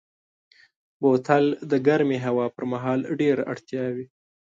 بوتل د ګرمې هوا پر مهال ډېره اړتیا وي.